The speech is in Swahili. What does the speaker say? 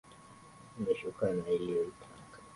Imeshuka na niliyoitaka.